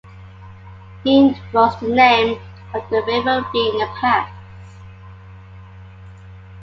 "Neen" was the name of the River Rea in the past.